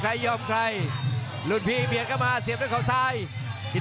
อ่าเสียดายครับ